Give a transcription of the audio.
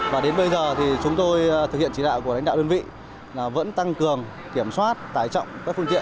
và đến bây giờ thì chúng tôi thực hiện chỉ đạo của lãnh đạo đơn vị là vẫn tăng cường kiểm soát tải trọng các phương tiện